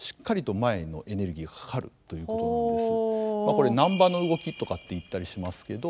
これ「なんばの動き」とかって言ったりしますけど。